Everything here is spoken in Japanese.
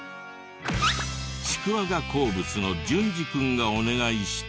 ちくわが好物のジュンジ君がお願いした。